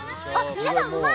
皆さん、うまい！